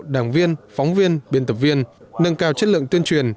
đảng viên phóng viên biên tập viên nâng cao chất lượng tuyên truyền